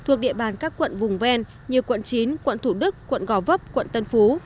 thuộc địa bàn các quận vùng ven như quận chín quận thủ đức quận gò vấp quận tân phú